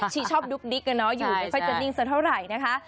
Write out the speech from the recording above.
ชอบดุ๊กดิ๊กอะเนาะอยู่ไม่ค่อยจะนิ่งสักเท่าไหร่นะคะ